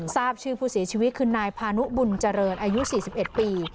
ทราบชื่อผู้เสียชีวิตคือนายพานุบุญเจริญอายุ๔๑ปี